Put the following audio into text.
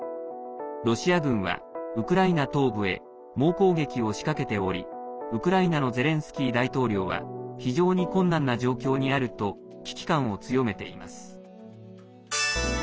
ロシア軍はウクライナ東部へ猛攻撃を仕掛けておりウクライナのゼレンスキー大統領は非常に困難な状況にあると危機感を強めています。